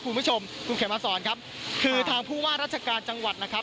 คุณผู้ชมคุณเขมมาสอนครับคือทางผู้ว่าราชการจังหวัดนะครับ